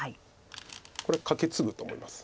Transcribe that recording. これカケツぐと思います。